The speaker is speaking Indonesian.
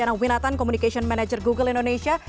dan juga ada juga komunikasi manajer google indonesia